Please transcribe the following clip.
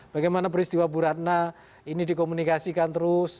bagaimana peristiwa bu ratna ini dikomunikasikan terus